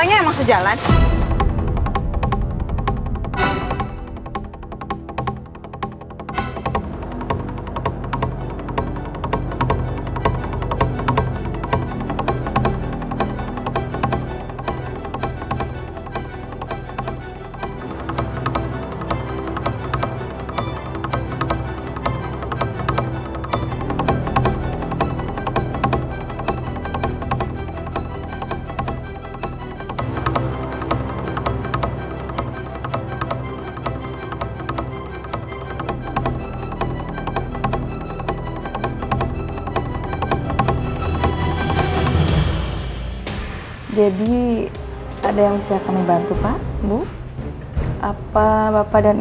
bagaimana kamu tahu aku colossal